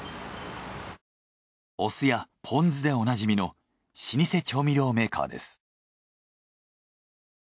お酢やポン酢でおなじみの老舗調味料メーカーです。